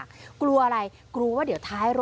สุดทนแล้วกับเพื่อนบ้านรายนี้ที่อยู่ข้างกัน